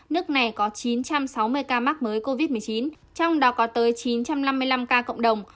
nước này có chín trăm sáu mươi ca mắc mới covid một mươi chín trong đó có tới chín trăm năm mươi năm ca cộng đồng